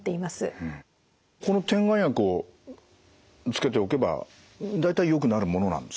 この点眼薬をつけておけば大体よくなるものなんですかね？